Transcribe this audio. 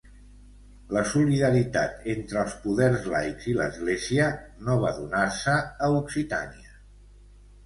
La solidaritat entre els poders laics i l'Església no va donar-se a Occitània.